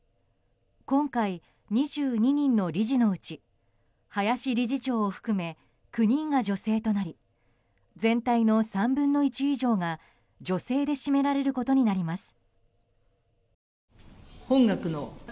今回、２２人の理事のうち林理事長を含め９人が女性となり全体の３分の１以上が女性で占められることになります。